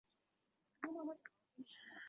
分布于四川宝兴等。